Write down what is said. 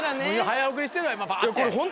早送りしてるわ今パって。